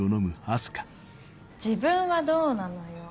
自分はどうなのよ。